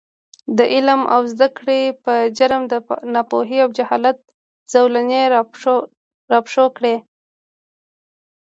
د عـلم او زده کـړې پـه جـرم د نـاپـوهـۍ او جـهالـت زولـنې راپښـو کـړي .